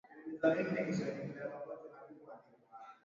Hilo linawaweka karibu na mashambulizi ya karibuni ya anga